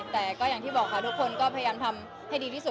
แต่ก็อย่างที่บอกค่ะทุกคนก็พยายามทำให้ดีที่สุด